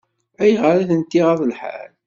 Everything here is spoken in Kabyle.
Ayɣer i tent-iɣaḍ lḥal?